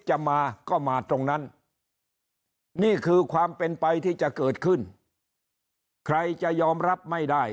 จะมาก็มาตรงนั้นนี่คือความเป็นไปที่จะเกิดขึ้นใครจะยอมรับไม่ได้